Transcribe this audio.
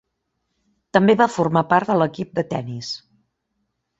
També va formar part de l'equip de tenis.